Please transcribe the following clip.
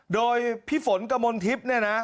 โดยพี่ฝนกมลทิพย์เนี่ยนะ